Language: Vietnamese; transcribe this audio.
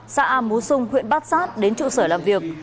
xã a mũ sung huyện bát sát đến trụ sở làm việc